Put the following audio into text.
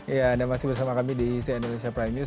ya anda masih bersama kami di cnn indonesia prime news